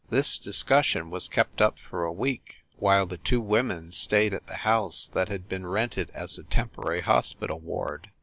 This discussion was kept up for a week, while the" two women stayed at the house that had been rented as a temporary hospital ward.